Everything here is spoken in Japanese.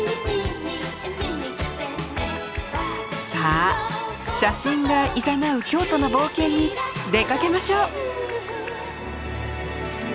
さあ写真がいざなう京都の冒険に出かけましょう。